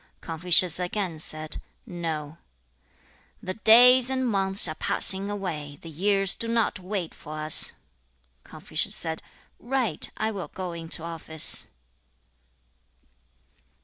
Confucius again said, 'No.' 'The days and months are passing away; the years do not wait for us.' Confucius said, 'Right; I will go into office.'